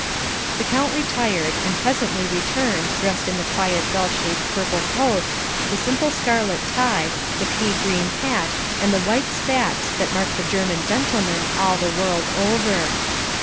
The count retired, and presently returned dressed in the quiet bell shaped purple coat, the simple scarlet tie, the pea green hat and the white spats that mark the German gentleman all the world over.